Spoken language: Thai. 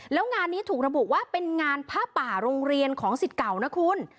แล้วงานนี้ถูกระบุว่าเป็นงานผ้าป่าโรงเรียนของสิทธิ์เก่านะคุณ